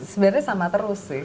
sebenarnya sama terus sih